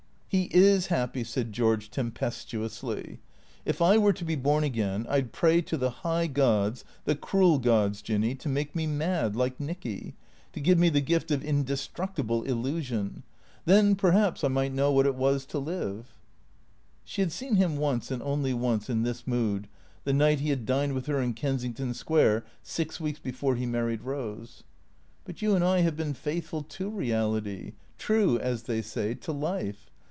" He IS happy," said George tempestuously. " If I were to be born again, I 'd pray to the high gods, the cruel gods, Jinny, to make me mad — like Nicky — to give me the gift of inde THE CREATORS 445 structible illusion. Then, perhaps, I might know what it was to live." She had seen him once, and only once, in this mood, the night he had dined with her in Kensington Square six weeks before he married Rose. " But you and I have been faithful to reality — true, as they say, to life.